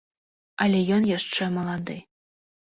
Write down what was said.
Але ён яшчэ малады.